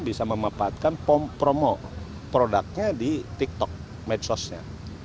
bisa memanfaatkan promo produknya di tiktok medsosnya